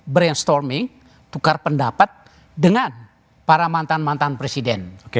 brainstorming tukar pendapat dengan para mantan mantan presiden